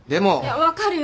分かるよ